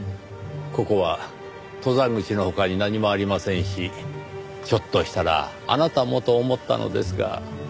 ここは登山口の他に何もありませんしひょっとしたらあなたもと思ったのですが。